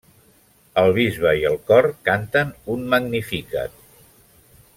El bisbe i el cor canten un Magnificat.